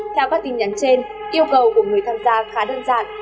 theo các tin nhắn trên yêu cầu của người tham gia khá đơn giản